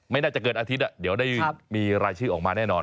ไม่น่าจะเกินอาทิตย์เดี๋ยวได้มีรายชื่อออกมาแน่นอน